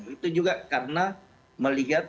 itu juga karena melihat